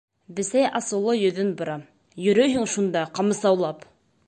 Бесәй асыулы «йөҙөн» бора: «Йөрөйһөң шунда, ҡамасаулап!»